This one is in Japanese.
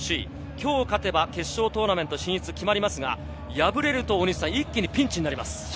きょう勝てば決勝トーナメント進出が決まりますが、敗れると一気にピンチになります。